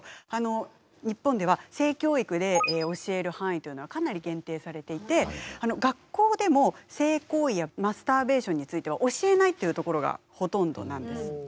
日本では性教育で教える範囲というのはかなり限定されていて学校でも性行為やマスターベーションについては教えないっていうところがほとんどなんですって。